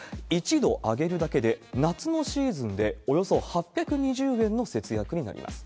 １度上げるだけで、夏のシーズンでおよそ８２０円の節約になります。